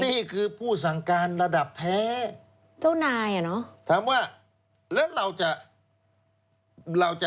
นี่คือผู้สังการระดับแท้